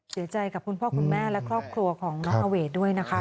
เสียใจกับคุณพ่อคุณแม่และครอบครัวของน้องอเวทด้วยนะคะ